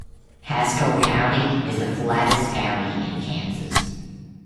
Haskell County is the flattest county in Kansas.